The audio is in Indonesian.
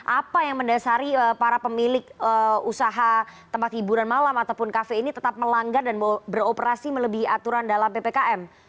apa yang mendasari para pemilik usaha tempat hiburan malam ataupun kafe ini tetap melanggar dan beroperasi melebihi aturan dalam ppkm